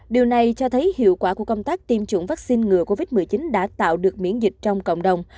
điều này cho thấy hiệu quả của công tác tiêm chủng vaccine ngừa covid một mươi chín đã tạo được miễn dịch trong cộng đồng